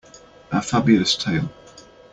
A Fabulous tale.